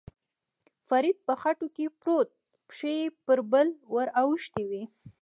فرید په خټو کې پروت، پښې یې پر پل ور اوښتې وې.